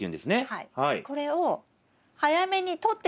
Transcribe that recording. はい。